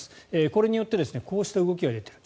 これによってこうした動きが出ている。